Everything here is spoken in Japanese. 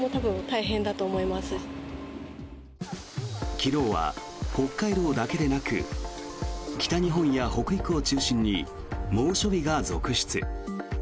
昨日は北海道だけでなく北日本や北陸を中心に猛暑日が続出。